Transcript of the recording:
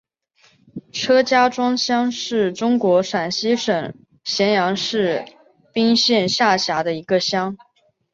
车家庄乡是中国陕西省咸阳市彬县下辖的一个乡。